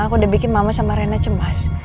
aku udah bikin mama sama rena cemas